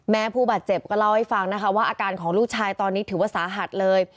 ผู้บาดเจ็บก็เล่าให้ฟังนะคะว่าอาการของลูกชายตอนนี้ถือว่าสาหัสเลย